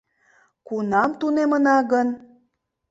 Кунам тунемына гын?..